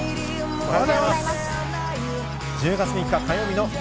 おはようございます。